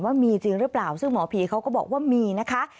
ว่ามีจริงหรือเปล่าซึ่งหมอผีเขาก็บอกว่ามีนะคะ